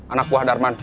anak buah darman